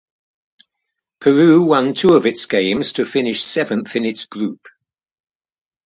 Peru won two of its games to finish seventh in its group.